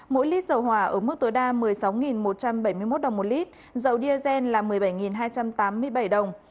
mỗi lít dầu hỏa ở mức tối đa một mươi sáu một trăm bảy mươi một đồng một lít dầu diesel là một mươi bảy hai trăm tám mươi bảy đồng